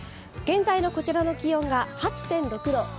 現在のこちらの気温が８．６度。